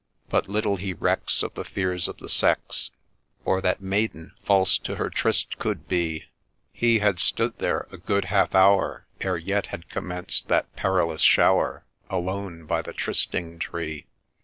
' But little he recks of the fears of the sex, Or that maiden false to her tryst could be, He had stood there a good half hour Ere yet had commenced that perilous shower, Alone by the trysting tree